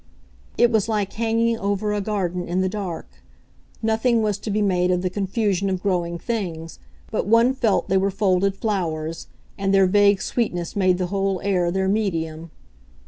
It was like hanging over a garden in the dark; nothing was to be made of the confusion of growing things, but one felt they were folded flowers, and their vague sweetness made the whole air their medium.